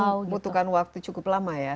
membutuhkan waktu cukup lama ya